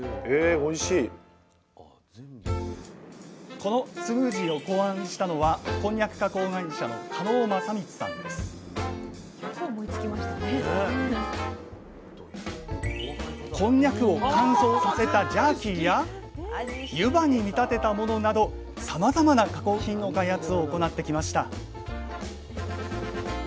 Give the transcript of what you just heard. このスムージーを考案したのはこんにゃくを乾燥させたジャーキーや湯葉に見立てたものなどさまざまな加工品の開発を行ってきました